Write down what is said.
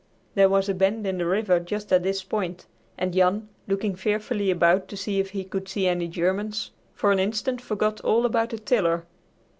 There was a bend in the river just at this point, and Jan, looking fearfully about to see if he could see any Germans, for an instant forgot all about the tiller.